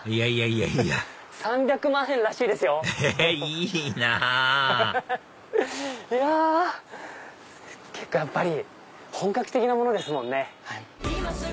えいいなぁいや結構やっぱり本格的なものですもんね。